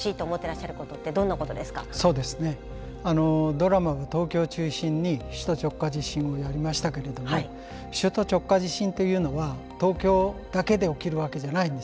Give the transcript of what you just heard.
ドラマは東京を中心に首都直下地震をやりましたけれども首都直下地震というのは東京だけで起きるわけじゃないんですね。